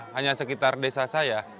hanya sekitar desa saya